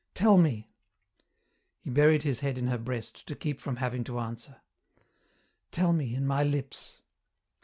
"Tell me." He buried his head in her breast to keep from having to answer. "Tell me in my lips."